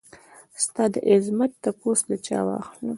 ستا دعظمت تپوس له چا واخلم؟